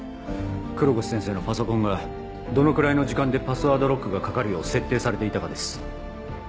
黒越先生のパソコンがどのくらいの時間でパスワードロックが掛かるよう設定されていたかです。